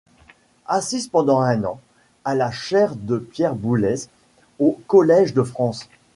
Assiste pendant un an à la Chaire de Pierre Boulez au Collège de France.